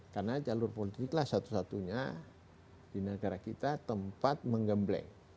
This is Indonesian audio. karena jalur politiklah satu satunya di negara kita tempat menggembleng